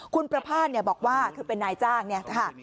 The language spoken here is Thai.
คุณประพาทบอกว่าคือเป็นนายจ้างเนี่ยค่ะ